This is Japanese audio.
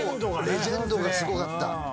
レジェンドがすごかった。